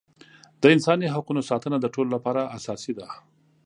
د انساني حقونو ساتنه د ټولو لپاره اساسي ده.